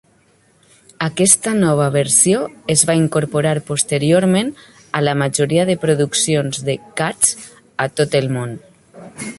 Aquesta nova versió es va incorporar posteriorment a la majoria de produccions de "Cats" a tot el món.